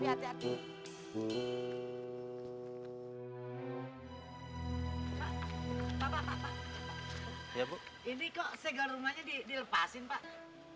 ini kok segala rumahnya dilepasin pak